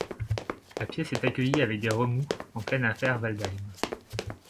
La pièce est accueillie avec des remous, en pleine affaire Waldheim.